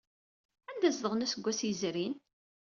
Anda ay zedɣen aseggas yezrin?